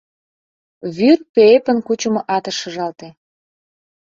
Вӱр Пеэпын кучымо атыш шыжалте.